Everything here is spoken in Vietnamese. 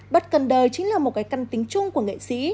bất cần đời chính là một cái căn tính chung của nghệ sĩ